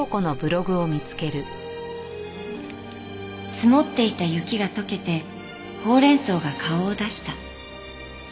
「積もっていた雪が溶けてほうれん草が顔を出した」